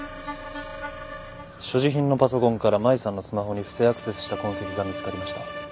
所持品のパソコンから麻衣さんのスマホに不正アクセスした痕跡が見つかりました。